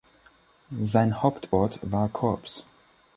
Sein Hauptort war Corps.